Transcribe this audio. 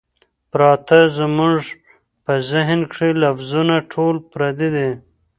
پراتۀ زمونږ پۀ ذهن کښې لفظونه ټول پردي دي